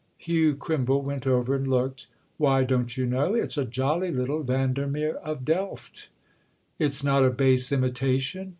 Hugh Crimble went over and looked. "Why, don't you know? It's a jolly little Vandermeer of Delft." "It's not a base imitation?"